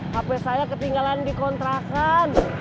hp saya ketinggalan di kontrakan